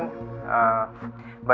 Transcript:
saya gak tahu